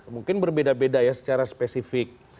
mungkin berbeda beda ya secara spesifik